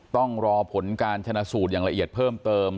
ต้องรอผลการชนะสูตรอย่างละเอียดเพิ่มเติม